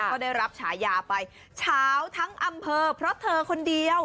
ก็ได้รับฉายาไปเช้าทั้งอำเภอเพราะเธอคนเดียว